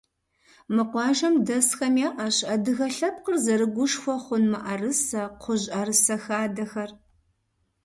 Мы къуажэм дэсхэм яӏэщ адыгэ лъэпкъыр зэрыгушхуэ хъун мыӏэрысэ, кхъужь ӏэрысэ хадэхэр.